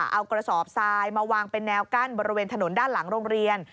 เอากระสอบทรายมาวางเป็นแนวกั้นบริเวณถนนด้านหลังโรงเรียน